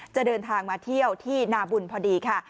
จะเดินทางมาเที่ยวที่นาบุญพอดีค่ะ